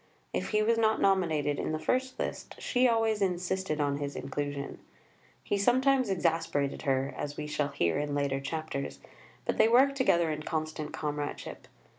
If he was not nominated in the first list, she always insisted on his inclusion. He sometimes exasperated her, as we shall hear in later chapters, but they worked together in constant comradeship.